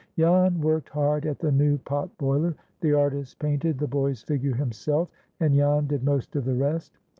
Jan worked hard at the new "pot boiler." The artist painted the boy's figure himself, and Jan did most of the rest.